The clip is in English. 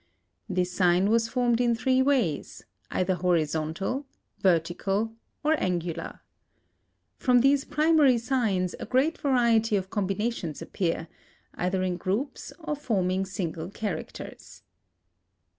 This sign was formed in three ways, either horizontal, [—]; vertical, [|]; or angular, [<]. From these primary signs, a great variety of combinations appear, either in groups or forming single characters.